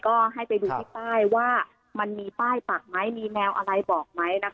ก็ให้ไปดูที่ป้ายว่ามันมีป้ายปักไหมมีแนวอะไรบอกไหมนะคะ